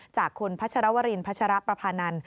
จากคุณพัชรวรินพัชรประพานันท